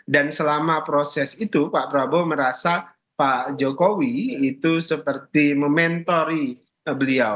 dan selama proses itu pak prabowo merasa pak jokowi itu seperti mementori beliau